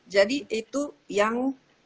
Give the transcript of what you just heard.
jadi itu yang